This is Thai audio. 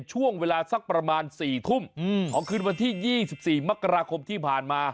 ช่วงเวลาสักประมาณ๔ทุ่มของคืนวันที่๒๔มกราคมที่ผ่านมา